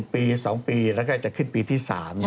ปี๒ปีแล้วก็จะขึ้นปีที่๓